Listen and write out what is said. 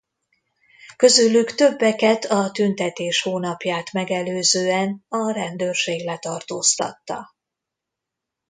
Közülük többeket a tüntetés hónapját megelőzően a rendőrség letartóztatta.